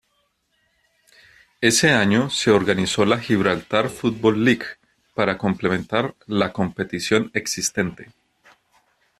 En ese año se organizó la Gibraltar Football League para complementar la competición existente.